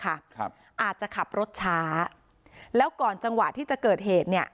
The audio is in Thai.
ครับอาจจะขับรถช้าแล้วก่อนจังหวะที่จะเกิดเหตุเนี้ย